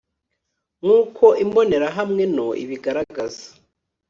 Nk uko imbonerahamwe no ibigaragaza